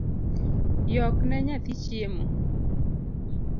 Yokne nyathi chiemo